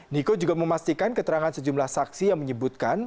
niko juga memastikan keterangan sejumlah saksi yang menyebutkan